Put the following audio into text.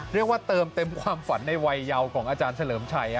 เรียกว่าเติมเต็มความฝันในวัยเยาวของอาจารย์เฉลิมชัย